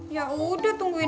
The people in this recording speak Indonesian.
ya udah tungguin aja